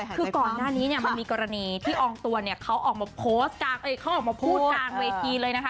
คือก่อนหน้านี้มันมีกรณีที่องค์ตัวเขาออกมาพูดกลางเวทีเลยนะคะ